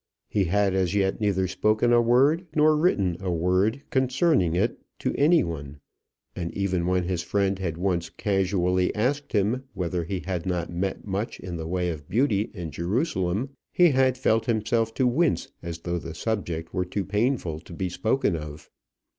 He had as yet neither spoken a word nor written a word concerning it to any one; and even when his friend had once casually asked him whether he had met much in the way of beauty in Jerusalem, he had felt himself to wince as though the subject were too painful to be spoken of.